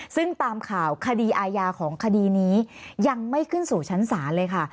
ซึ่งตามข่าวคดีอาญาของคดีนี้ยังไม่ขึ้นสู่ชั้นศาลเลยค่ะ